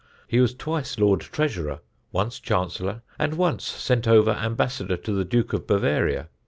He was twice Lord Treasurer, once Chancellor, and once sent over Ambassador to the Duke of Bavaria.